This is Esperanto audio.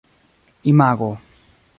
imago